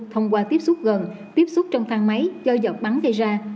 thông qua tiếp xúc gần tiếp xúc trong thang máy do giọt bắn gây ra